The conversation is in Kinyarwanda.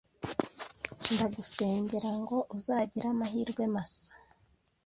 Ndagusengera ngo uzagire amahirwe masa.